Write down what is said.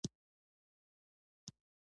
دوستانه لیدنه کتنه ورسره وکړي.